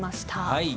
はい。